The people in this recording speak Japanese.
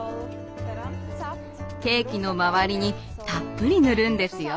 ケーキの周りにたっぷりぬるんですよ。